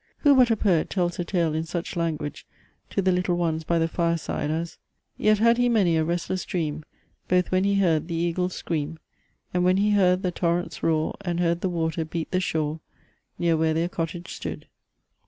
Who but a poet tells a tale in such language to the little ones by the fire side as "Yet had he many a restless dream; Both when he heard the eagle's scream, And when he heard the torrents roar, And heard the water beat the shore Near where their cottage stood.